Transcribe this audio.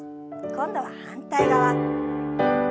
今度は反対側。